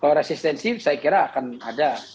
kalau resistensif saya kira akan ada